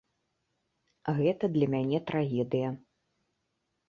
Гэта для мяне трагедыя.